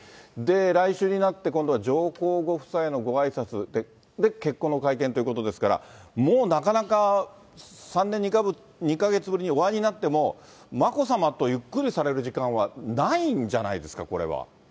来週になって、今度、上皇ご夫妻のごあいさつ、で、結婚の会見ということですから、もうなかなか３年２か月ぶりにお会いになっても、眞子さまとゆっくりされる時間はないんじゃないですか、これは。